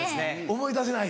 思い出せない？